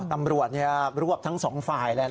โอ้ตำรวจรวบทั้งสองฝ่ายนะฮะ